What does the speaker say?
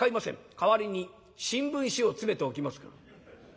代わりに新聞紙を詰めておきますから」。